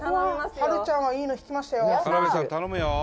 「はるちゃんはいいの引きましたよ」